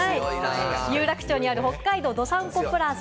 有楽町にある北海道どさんこプラザ。